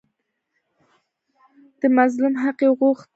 د مظلوم حق یې وغوښت.